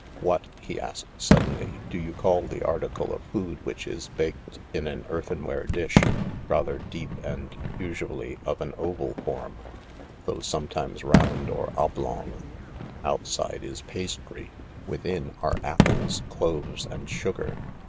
" What," he asked suddenly, " do you call the article of food which is baked in an earthenware dish, rather deep and usually of an oval form, though sometimes round or oblong : outside is pastry, within are apples, cloves and sugar